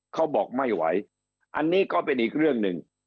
เขาบอกไม่ไหวอันนี้ก็เป็นอีกเรื่องหนึ่ง